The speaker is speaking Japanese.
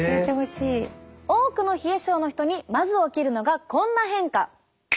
多くの冷え症の人にまず起きるのがこんな変化。